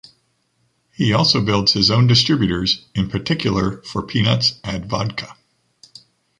He also builds his own distributors, in particular for peanuts ad vodka.